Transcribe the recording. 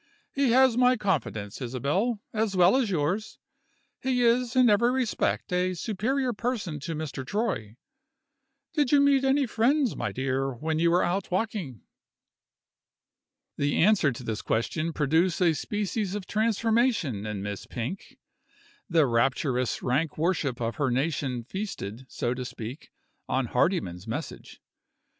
He has my confidence, Isabel, as well as yours he is in every respect a superior person to Mr. Troy. Did you meet any friends, my dear, when you were out walking?" The answer to this question produced a species of transformation in Miss Pink. The rapturous rank worship of her nation feasted, so to speak, on Hardyman's message.